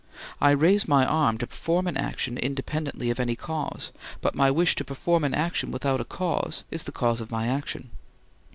I raise my arm to perform an action independently of any cause, but my wish to perform an action without a cause is the cause of my action.